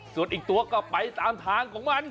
ส่วนอีกตัวก็ไปตามทางของมัน